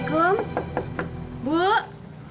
asalkan kamu bahagia wi